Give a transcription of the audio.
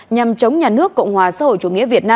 nhằm chống nhà nước cộng hòa xã hội chủ nghĩa việt nam